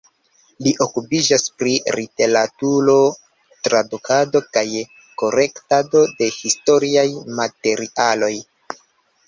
Li okupiĝis pri literaturo, tradukado kaj kolektado de historiaj materialoj.